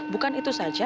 bukan itu saja